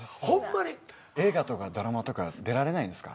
映画とかドラマとか出られないんすか？